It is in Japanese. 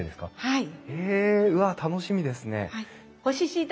はい。